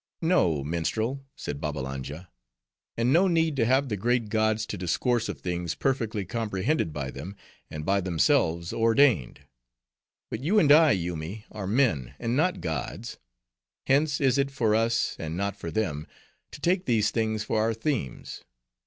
"No, minstrel," said Babbalanja; "and no need have the great gods to discourse of things perfectly comprehended by them, and by themselves ordained. But you and I, Yoomy, are men, and not gods; hence is it for us, and not for them, to take these things for our themes.